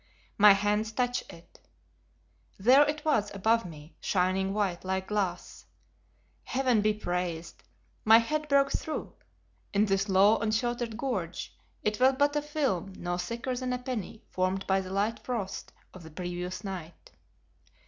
My hands touched it. There it was above me shining white like glass. Heaven be praised! My head broke through; in this low and sheltered gorge it was but a film no thicker than a penny formed by the light frost of the previous night.